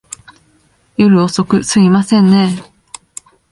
夜遅く、すいませんねぇ。